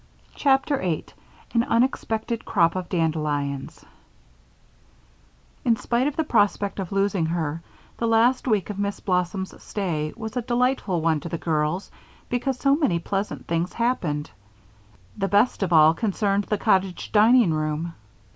CHAPTER 8 An Unexpected Crop of Dandelions In spite of the prospect of losing her, the last week of Miss Blossom's stay was a delightful one to the girls because so many pleasant things happened. The best of all concerned the cottage dining room.